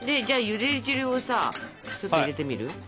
じゃあゆで汁をさちょっと入れてみる？